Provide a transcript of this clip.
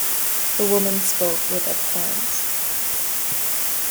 The woman spoke with abhorrence.